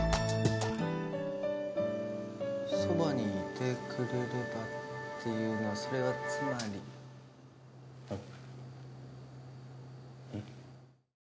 「そばにいてくれれば」っていうのはそれはつまり？あっ。